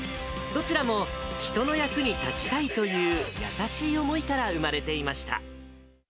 どちらも人の役に立ちたいという優しい思いから生まれていました。